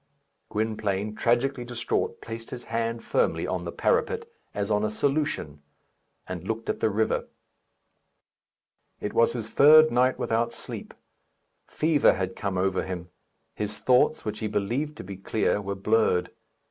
Gwynplaine, tragically distraught, placed his hand firmly on the parapet, as on a solution, and looked at the river. It was his third night without sleep. Fever had come over him. His thoughts, which he believed to be clear, were blurred.